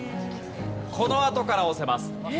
このあとから押せます。